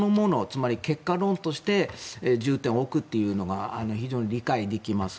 つまり、結果論として重点を置くというのが非常に理解できます。